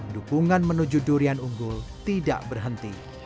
dukungan menuju durian unggul tidak berhenti